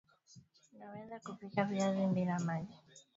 Unaweza Kupika viazi bila maji